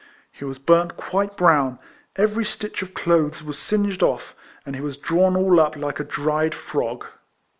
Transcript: He was burnt quite brown, every stitch of clothes was singed off, and he was drawn all up like a dried frog.